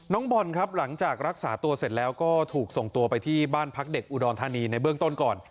น้องบอลครับหลังจากรักษาตัวเสร็จแล้วก็ถูกส่งตัวไปที่บ้านพักเด็กอุดรธานีในเบื้องต้นก่อน